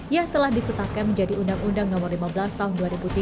yang telah ditetapkan menjadi undang undang no lima belas tahun dua ribu tiga